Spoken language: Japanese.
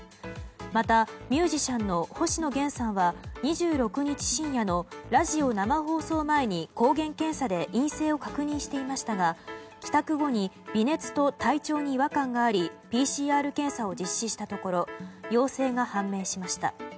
また、ミュージシャンの星野源さんは２６日深夜のラジオ生放送前に抗原検査で陰性を確認していましたが帰宅後に微熱と体調に違和感がありＰＣＲ検査を実施したところ陽性が判明しました。